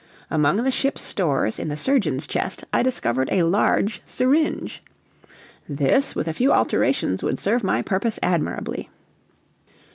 Among the ship's stores, in the surgeon's chest, I discovered a large syringe. This, with a few alterations, would serve my purpose admirably.